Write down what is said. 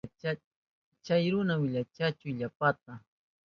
Chay runa wiranchahun illapanta.